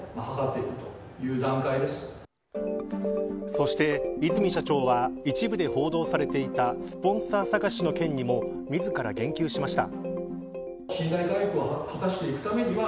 そして、和泉社長は一部で報道されていたスポンサー探しの件にも自ら言及しました。